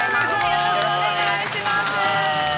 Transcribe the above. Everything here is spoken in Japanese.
◆よろしくお願いします。